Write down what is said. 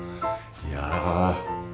いや。